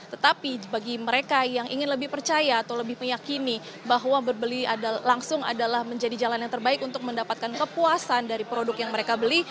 tetapi bagi mereka yang ingin lebih percaya atau lebih meyakini bahwa berbeli langsung adalah menjadi jalan yang terbaik untuk mendapatkan kepuasan dari produk yang mereka beli